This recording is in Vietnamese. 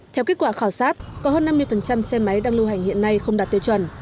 theo kết quả khảo sát có hơn năm mươi xe máy đang lưu hành hiện nay không đạt tiêu chuẩn